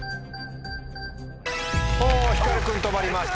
ひかる君止まりました。